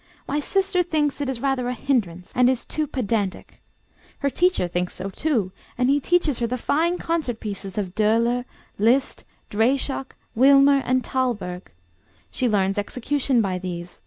My sister thinks it is rather a hindrance, and is too pedantic. Her teacher thinks so too, and he teaches her the fine concert pieces of Döhler, Liszt, Dreyschock, Willmer, and Thalberg. She learns execution by these.